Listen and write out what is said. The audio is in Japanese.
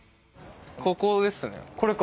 ここですよね。